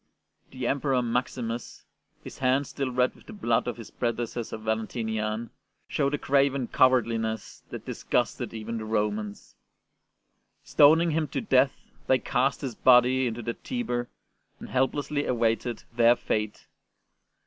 The Emperor Maximus, his hands still red with the blood of his prede cessor Valentinian, showed a craven cowardli ness that disgusted even the Romans. Ston ing him to death, they cast his body into the Tiber and helplessly awaited their fate.